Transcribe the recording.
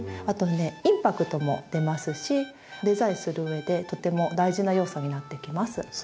あとねインパクトも出ますしデザインするうえでとても大事な要素になってきます。